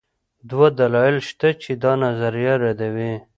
دوه دلایل شته چې دا نظریه ردوي